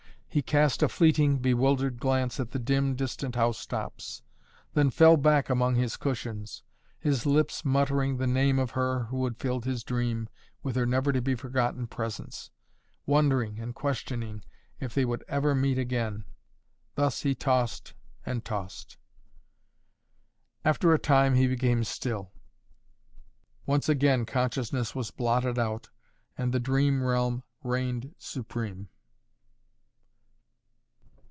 He cast a fleeting, bewildered glance at the dim, distant housetops, then fell back among his cushions, his lips muttering the name of her who had filled his dream with her never to be forgotten presence, wondering and questioning if they would ever meet again. Thus he tossed and tossed. After a time he became still. Once again consciousness was blotted out and the dream realm reigned supreme.